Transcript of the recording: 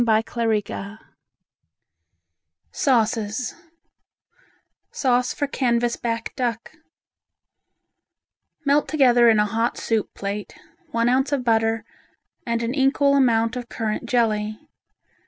SAUCES Sauce for Canvas back Duck Melt together in a hot soup plate one ounce of butter, and an equal amount of currant jelly.